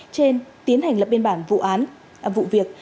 trên tiến hành lập biên bản vụ việc